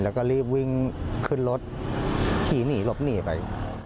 แล้วก็รีบวิ่งขึ้นรถขี่หนีหลบหนีไป